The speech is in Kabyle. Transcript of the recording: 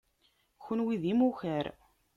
Kunwi d imukar.